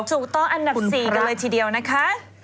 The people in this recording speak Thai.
สูงต้อนอันดับ๔กันเลยทีเดียวนะคะ